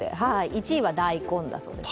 １位は大根だそうです。